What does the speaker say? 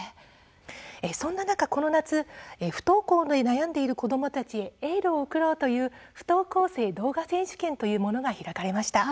そんな中、この夏不登校で悩んでいる子どもたちへエールを送ろうという不登校生動画選手権というものが開かれました。